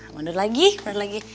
mundur lagi mundur lagi